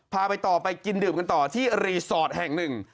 พาไปต่อไปกินดื่มกันต่อที่รีสอร์ทแห่งหนึ่ง